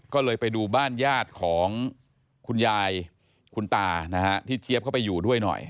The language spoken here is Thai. ก็เลยไปดูบ้านญาติของคุณยายคุณตานะฮะที่เจี๊ยบเข้าไปอยู่ด้วยหน่อย